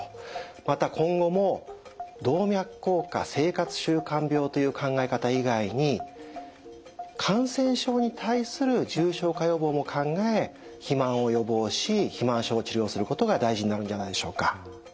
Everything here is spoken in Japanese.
また今後も動脈硬化生活習慣病という考え方以外に感染症に対する重症化予防も考え肥満を予防し肥満症を治療することが大事になるんじゃないでしょうか。